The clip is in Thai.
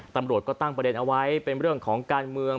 ตำรวจก็ตั้งประเด็นเอาไว้เป็นเรื่องของการเมือง